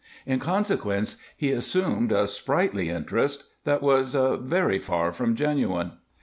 In consequence, he assumed a sprightly interest that was very far from genuine.